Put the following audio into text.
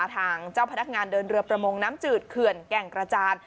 ทางเจ้าพนักงานเดินเรือประมงน้ำจืดเขื่อนแก่งกระจาน